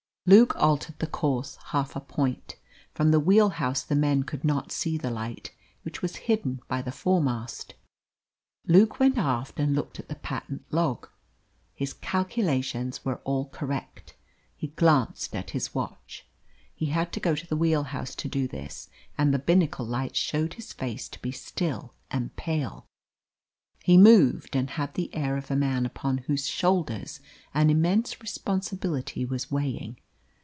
Luke altered the course half a point. From the wheel house the men could not see the light, which was hidden by the fore mast. Luke went aft and looked at the patent log. His calculations were all correct. He glanced at his watch he had to go to the wheel house to do this, and the binnacle lights showed his face to be still and pale. He moved and had the air of a man upon whose shoulders an immense responsibility was weighing.